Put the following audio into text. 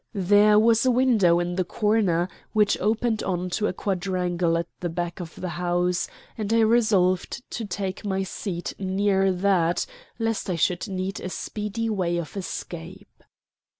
There was a window in the corner which opened on to a quadrangle at the back of the house, and I resolved to take my seat near that, lest I should need a speedy way of escape.